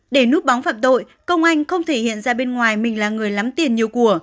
để núp bóng phạm tội công anh không thể hiện ra bên ngoài mình là người lắm tiền nhiều của